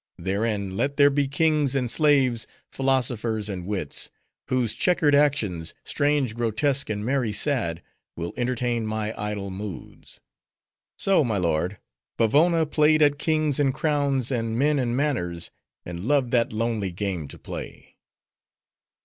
Therein, let there be kings and slaves, philosophers and wits; whose checkered actions—strange, grotesque, and merry sad, will entertain my idle moods." So, my lord, Vavona played at kings and crowns, and men and manners; and loved that lonely game to play.